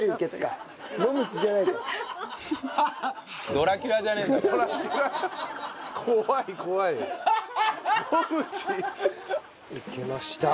むけました。